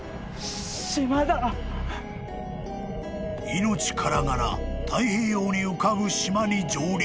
［命からがら太平洋に浮かぶ島に上陸］